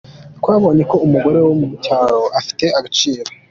Twabonye ko umugore wo mu cyaro afite agaciro.